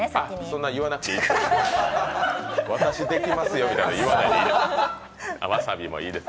そんな言わなくていい、私できますよみたいなの言わなくていい。